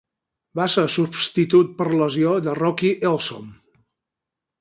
Va ser substitut per lesió de Rocky Elsom.